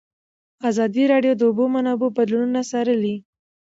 ازادي راډیو د د اوبو منابع بدلونونه څارلي.